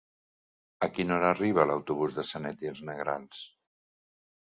A quina hora arriba l'autobús de Sanet i els Negrals?